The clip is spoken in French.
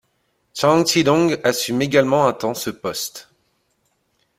Zhang Zhidong assume également un temps ce poste.